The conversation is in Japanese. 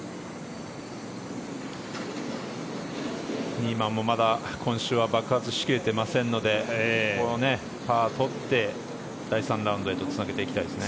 ニーマンもまだ今週は爆発しきれていませんのでこのパーを取って第３ラウンドへとつなげていきたいですね。